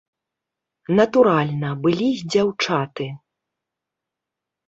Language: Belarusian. Натуральна, былі і дзяўчаты.